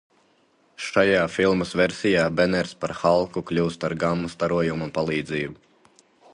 Šajā filmas versijā Beners par Halku kļūst ar gamma starojuma palīdzību.